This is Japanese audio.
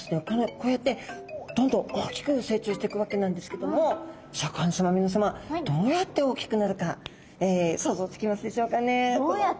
こうやってどんどん大きく成長していくわけなんですけどもシャーク香音さま皆さまどうやって大きくなるか想像つきますでしょうかね。